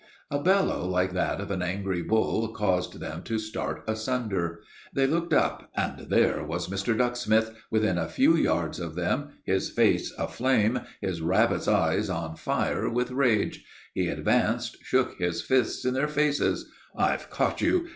A bellow like that of an angry bull caused them to start asunder. They looked up, and there was Mr. Ducksmith within a few yards of them, his face aflame, his rabbit's eyes on fire with rage. He advanced, shook his fists in their faces. "I've caught you!